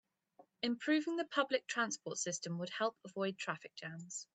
Improving the public transport system would help avoid traffic jams.